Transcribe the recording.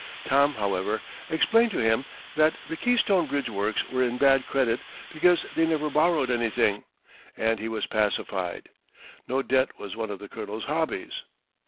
Tom, however, explained to him that the Keystone Bridge Works were in bad credit because they never borrowed anything, and he was pacified. No debt was one of the Colonel's hobbies.